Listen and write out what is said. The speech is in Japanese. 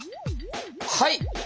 はい！